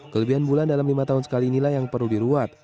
kelebihan bulan dalam lima tahun sekali inilah yang perlu diruat